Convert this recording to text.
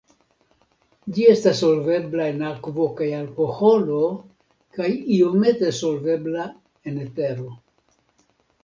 Ĝi estas solvebla en akvo kaj alkoholo kaj iomete solvebla en etero.